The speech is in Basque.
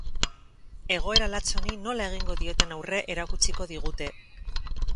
Egoera latz honi nola egingo dioten aurre erakutsiko digute.